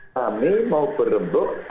kami mau berhentuk